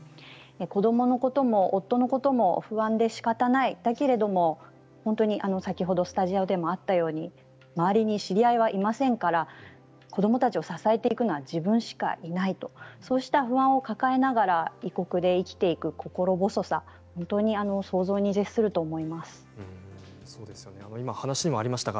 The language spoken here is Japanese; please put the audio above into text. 子どものことも、夫のことも不安でしかたがないけれども先ほどスタジオでもあったように周りに知り合いはいませんから子どもたちを支えていくのは自分しかいないそうした不安を抱えながら異国で生きていく心細さ想像を絶すると思います。